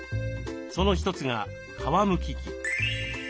その一つが皮むき器。